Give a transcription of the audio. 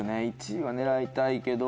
１位は狙いたいけど。